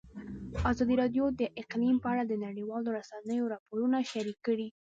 ازادي راډیو د اقلیم په اړه د نړیوالو رسنیو راپورونه شریک کړي.